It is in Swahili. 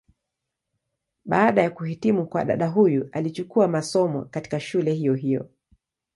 Baada ya kuhitimu kwa dada huyu alichukua masomo, katika shule hiyo hiyo.